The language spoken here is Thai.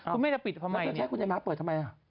คุณแม่จะปิดทำไมเนี่ยคุณแม่ม้าเปิดทำไมอ่ะ